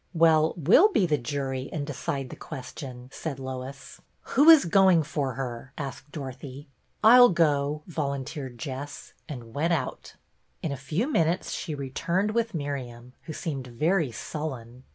"Well, we'll be the jury and decide the question," said Lois. " Who is going for her ?" asked Dorothy. " I 'll go," volunteered Jess, and went out. In a few minutes she returned with Miriam, who seemed very sullen.